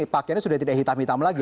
pakaiannya sudah tidak hitam hitam lagi